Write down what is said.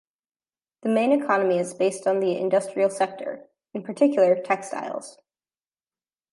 The main economy is based on the industrial sector, in particular textiles.